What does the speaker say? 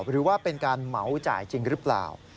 หรือว่าเป็นการเหมาจ่ายจริงหรือเปล่า